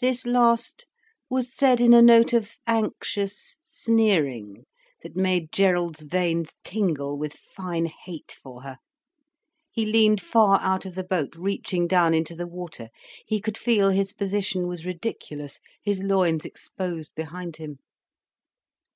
This last was said in a note of anxious sneering that made Gerald's veins tingle with fine hate for her. He leaned far out of the boat, reaching down into the water. He could feel his position was ridiculous, his loins exposed behind him.